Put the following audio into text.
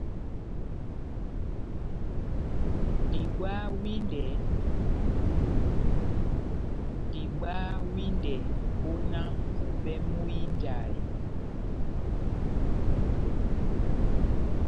Diwaha windɛ ó náh mʼpupɛ múhínjahe.